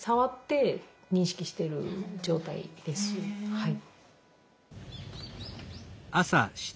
・はい。